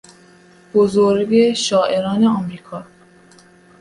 بزرگ شاعران امریکا